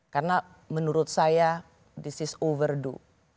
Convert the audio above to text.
karena menurut saya this is over do